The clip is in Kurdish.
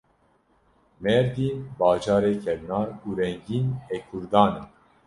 Mêrdîn bajarê kevnar û rengîn ê Kurdan e.